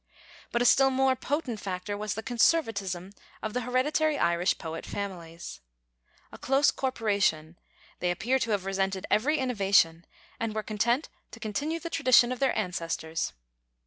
But a still more potent factor was the conservatism of the hereditary Irish poet families. A close corporation, they appear to have resented every innovation, and were content to continue the tradition of their ancestors.